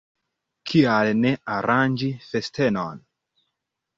Kial ne aranĝi festenon?